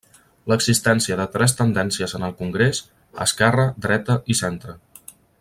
L'existència de tres tendències en el congrés: esquerra, dreta i centre.